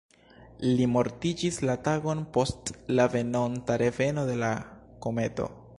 Li mortiĝis la tagon post la venonta reveno de la kometo.